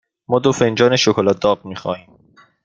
ما دو فنجان شکلات داغ می خواهیم.